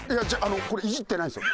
これイジってないですよ。